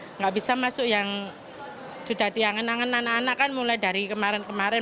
tidak bisa masuk yang sudah diangen angin anak anak kan mulai dari kemarin kemarin